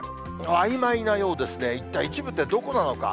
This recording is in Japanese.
あいまいなようですね、一体一部ってどこなのか。